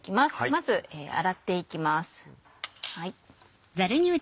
まず洗っていきます。